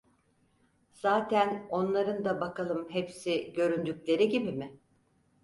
Zaten onların da bakalım hepsi göründükleri gibi mi?